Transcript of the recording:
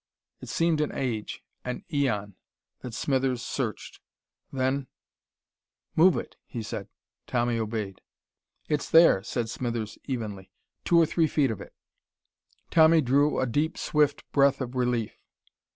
It seemed an age, an aeon, that Smithers searched. Then: "Move it," he said. Tommy obeyed. "It's there," said Smithers evenly. "Two or three feet of it." Tommy drew a deep, swift breath of relief.